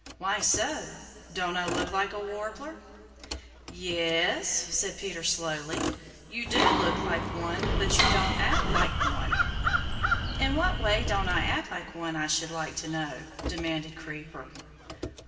"Why so? Don't I look like a Warbler?" "Ye es," said Peter slowly. "You do look like one but you don't act like one." "In what way don't I act like one I should like to know?" demanded Creeper.